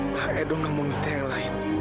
ma edo nggak mau minta yang lain